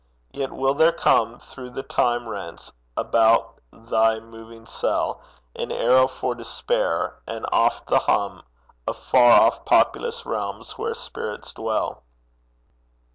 Yet will there come Through the time rents about thy moving cell, An arrow for despair, and oft the hum Of far off populous realms where spirits dwell.